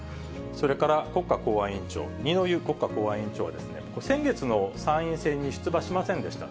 それから国家公安委員長、二之湯国家公安委員長は、先月の参院選に出馬しませんでした。